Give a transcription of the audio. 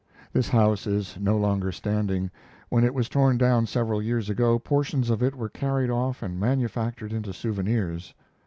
[This house is no longer standing. When it was torn down several years ago, portions of it were carried off and manufactured into souvenirs.